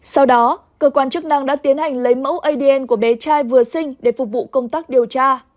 sau đó cơ quan chức năng đã tiến hành lấy mẫu adn của bé trai vừa sinh để phục vụ công tác điều tra